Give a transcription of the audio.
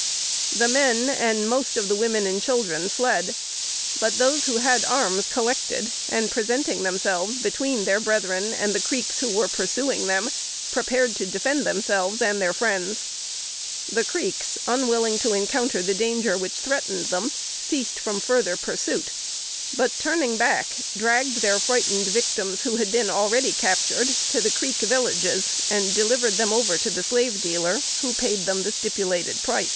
The men and most of the women and children fled; but those who had arms collected, and presenting themselves between their brethren and the Creeks who were pursuing them, prepared to defend themselves and friends. The Creeks, unwilling to encounter the danger which threatened them, ceased from further pursuit, but, turning back, dragged their frightened victims, who had been already captured, to the Creek villages, and delivered them over to the slave dealer, who paid them the stipulated price.